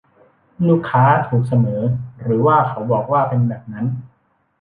ลูกค้าถูกเสมอ หรือว่าเขาบอกว่าแบบนั้น